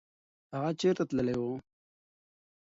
هغه چېرته تللی و؟